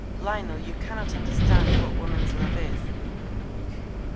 Lionel, you cannot understand what woman's love is.